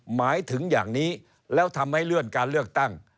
หมายถึงอย่างนี้แล้วทำให้เลื่อนการเลือกตั้ง